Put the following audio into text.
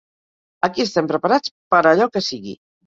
Aquí estem preparats per a allò que sigui.